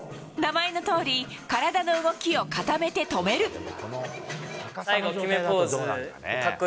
名前のとおり体の動きを固めて止める。